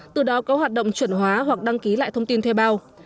từ đó có hoạt động chuẩn hóa hoặc đăng ký lại thông tin thuê bao